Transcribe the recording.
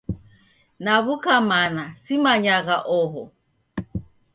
Naw'uka mana, simanyagha oho.